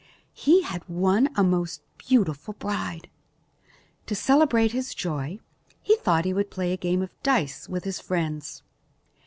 He had won a most beautiful bride. To celebrate his joy, he thought he would play a game of dice with his friends.